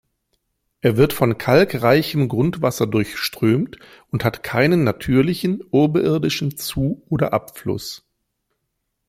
Er wird von kalkreichem Grundwasser durchströmt und hat keinen natürlichen oberirdischen Zu- oder Abfluss.